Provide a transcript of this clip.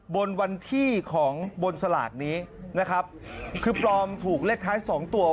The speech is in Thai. บนวันที่ของบนสลากนี้นะครับคือปลอมถูกเลขท้ายสองตัว